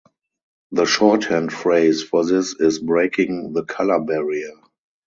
The shorthand phrase for this is "breaking the color barrier".